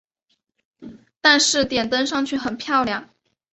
但是点灯上去很漂亮